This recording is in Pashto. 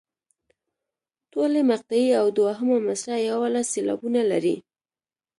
ټولې مقطعې او دوهمه مصرع یوولس سېلابونه لري.